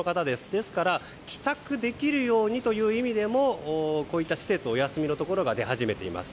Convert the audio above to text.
ですから帰宅できるようにという意味でもこういった施設お休みのところが出始めています。